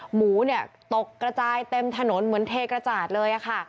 หมูเนี่ยตกกระจายเต็มถนนเหมือนเทกระจาดเลยค่ะ